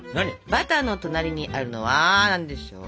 バターの隣にあるのは何でしょう。